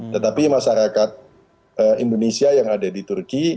tetapi masyarakat indonesia yang ada di turki